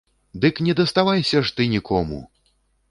Дык не даставайся ж ты нікому!